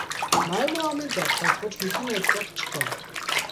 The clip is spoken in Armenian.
Նայում է ամեն տեղ, բայց ոչ մի կին այդտեղ չկա։